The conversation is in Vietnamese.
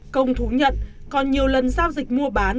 công thú nhận còn nhiều lần giao dịch mua bán